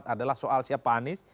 adalah soal siapa anies